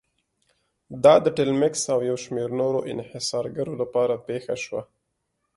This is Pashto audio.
دا د ټیلمکس او یو شمېر نورو انحصارګرو لپاره پېښه شوه.